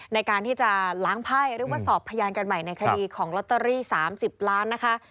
ในการที่จะล้างไพ่หรือว่าสอบพยานกันใหม่ในคดีของลอตเตอรี่๓๐ล้านนะคะ